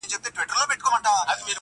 حقيقت لا هم پټ دی ډېر,